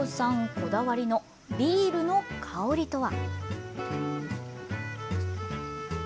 こだわりのビールの香りとは。